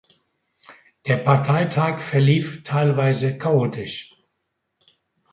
Der Parteitag verlief teilweise chaotisch.